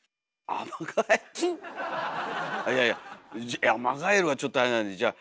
いやいやアマガエルはちょっとあれなんでじゃあ